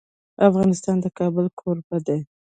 افغانستان د کابل کوربه دی.